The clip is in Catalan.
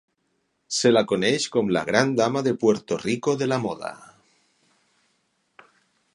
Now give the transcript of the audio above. Se la coneix com la "gran dama de Puerto Rico de la moda"